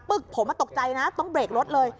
ผมตกใจนะต้องเบรกรถเลย